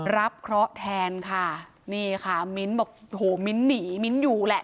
รับเคราะห์แทนค่ะนี่ค่ะมิ้นท์บอกโหมิ้นหนีมิ้นอยู่แหละ